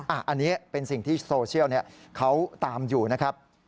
อันนี้เป็นสิ่งที่โซเชียลเขาตามอยู่นะครับ